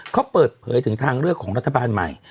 เขาเปิดเผยถึงทางเลือกของรัฐบาลใหม่